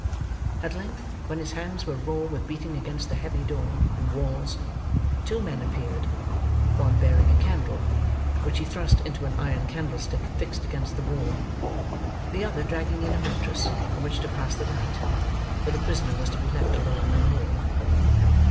At length, when his hands were raw with beating against the heavy door and walls, two men appeared: one bearing a candle, which he thrust into an iron candlestick fixed against the wall: the other dragging in a mattress on which to pass the night; for the prisoner was to be left alone no more.